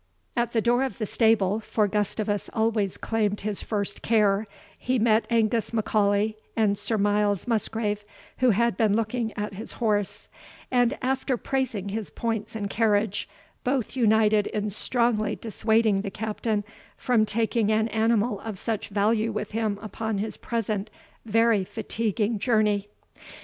At the door of the stable, for Gustavus always claimed his first care, he met Angus M'Aulay and Sir Miles Musgrave, who had been looking at his horse; and, after praising his points and carriage, both united in strongly dissuading the Captain from taking an animal of such value with him upon his present very fatiguing journey.